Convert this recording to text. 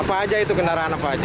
apa aja itu kendaraan apa aja